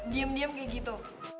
diem diem kayak gitu